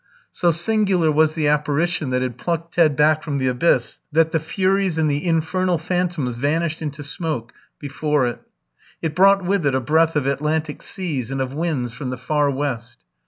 So singular was the apparition that had plucked Ted back from the abyss, that the Furies and the infernal phantoms vanished into smoke before it. It brought with it a breath of Atlantic seas and of winds from the far West.